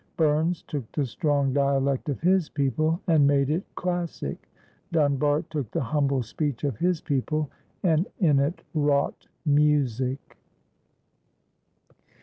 Burns took the strong dialect of his people and made it classic; Dunbar took the humble speech of his people and in it wrought music.